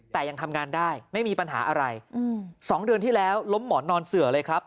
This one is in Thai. แต่ยังทำงานได้ไม่มีปัญหาอะไรสองเดือนที่แล้วล้มหมอนนอนเสือเลยครับ